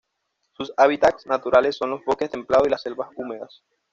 Sus hábitats naturales son los bosques templados y las selvas húmedas.